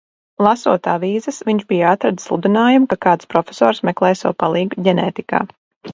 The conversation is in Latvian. Lasot avīzes viņš bija atradis sludinājumu, ka kāds profesors meklē sev palīgu ģenētikā.